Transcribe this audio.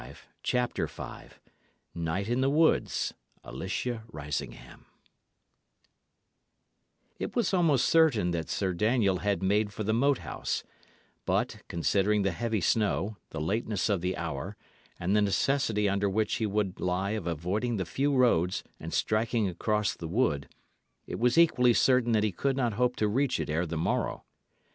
CHAPTER V NIGHT IN THE WOODS: ALICIA RISINGHAM It was almost certain that Sir Daniel had made for the Moat House; but, considering the heavy snow, the lateness of the hour, and the necessity under which he would lie of avoiding the few roads and striking across the wood, it was equally certain that he could not hope to reach it ere the morrow.